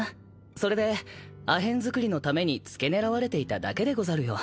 それでアヘン作りのために付け狙われていただけでござるよ。